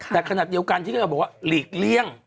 แต่ขณะเดียวกันที่เธอบอกว่าหลีกเลี่ยง